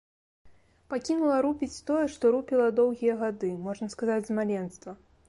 Пакінула рупіць тое, што рупіла доўгія гады, можна сказаць з маленства.